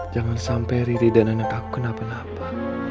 jangan sampai riri dan anak aku kenapa kenapa